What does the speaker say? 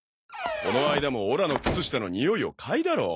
この間もオラの靴下のにおいを嗅いだろ？